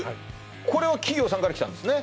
これは企業さんから来たんですね